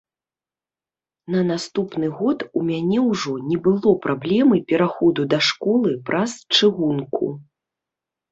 На наступны год у мяне ўжо не было праблемы пераходу да школы праз чыгунку.